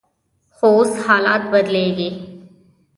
خو اوس حالات بدلیږي.